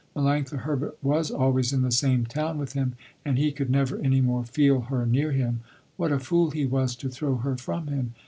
Melanctha Herbert was always in the same town with him, and he could never any more feel her near him. What a fool he was to throw her from him.